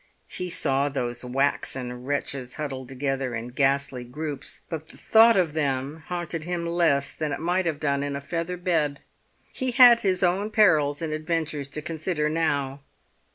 He saw those waxen wretches huddled together in ghastly groups, but the thought of them haunted him less than it might have done in a feather bed; he had his own perils and adventures to consider now.